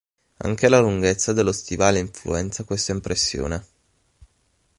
Anche la lunghezza dello stivale influenza questa impressione.